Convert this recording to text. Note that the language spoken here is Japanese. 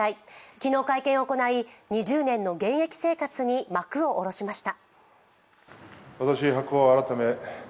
昨日、会見を行い、２０年の現役生活に幕を下ろしました。